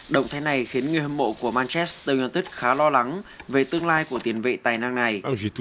động thay này khiến người hâm mộ của manchester united khá lo lắng về tương lai của tiền vệ tài năng này